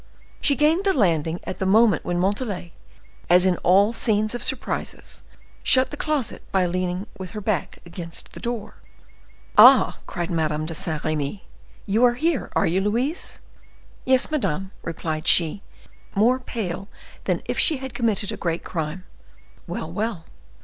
She gained the landing at the moment when Montalais, as in all scenes of surprises, shut the closet by leaning with her back against the door. "Ah!" cried Madame de Saint Remy, "you are here, are you, Louise?" "Yes, madame," replied she, more pale than if she had committed a great crime. "Well, well!"